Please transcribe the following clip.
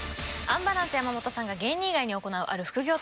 アンバランス山本さんが芸人以外に行うある副業とは？